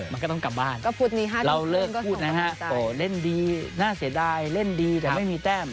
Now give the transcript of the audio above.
แต่ต้องกลับบ้านเราเลิกพูดนะครับเล่นดีน่าเสดายเล่นดีแบบไม่มีแต้ม